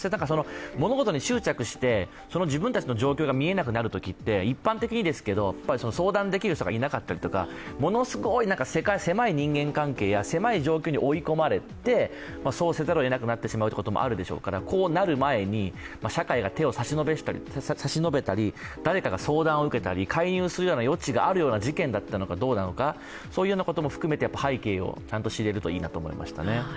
物事に執着して、自分たちの状況が見えなくなるときって、一般的にですけど、相談できる人がいなかったりとかものすごい狭い人間関係や狭い状況に追い込まれてそうせざるをえなくなってしまうこともあるでしょうから、こうなる前に、社会が手を差し伸べたり、誰かが相談を受けたり介入するような背景があったのかそういうようなことも含めてちゃんと背景が知れるといいなと思いましたね。